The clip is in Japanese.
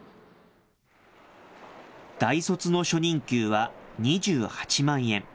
大卒の初任給は２８万円。